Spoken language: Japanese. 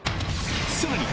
さらに